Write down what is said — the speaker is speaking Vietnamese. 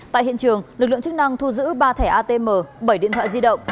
tại hiện trường lực lượng chức năng thu giữ ba thẻ atm bảy điện thoại di động